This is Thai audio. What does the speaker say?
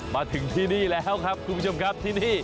มาถึงที่นี้แล้วครับคุณผู้ชมครับ